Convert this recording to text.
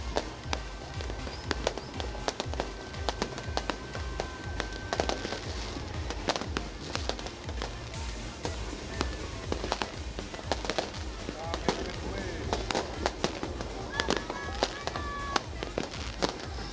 member raya amerika persis sertai bulanaring ini